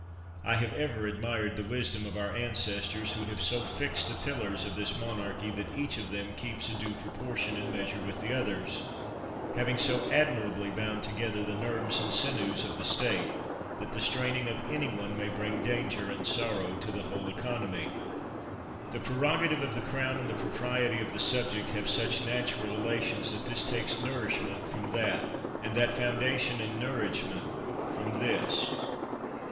I have ever admired the wisdom of our ancestors, who have so fixed the pillars of this monarchy that each of them keeps a due propor tion and measure with the others; have so ad mirably bound together the nerves and sinews of the state, that the straining of any one may bring danger and sorrow to the whole economy. The prerogative of the crown and the propriety of the subject have such natural relations that this takes nourishment from that, and that foun dation and nourishment from this.